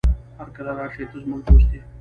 هرکله راشې، ته زموږ دوست يې.